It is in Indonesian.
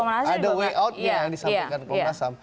ada way out nya yang disampaikan komnas ham